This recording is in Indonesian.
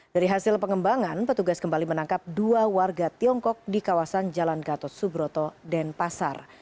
dari hasil pengembangan petugas kembali menangkap dua warga tiongkok di kawasan jalan gatot subroto denpasar